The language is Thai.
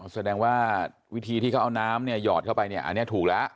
อ๋อแสดงว่าวิธีที่เขาเอาน้ำหยอดเข้าไปอันนี้ถูกแล้ว